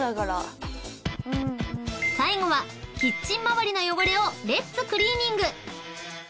［最後はキッチン周りの汚れをレッツクリーニング！］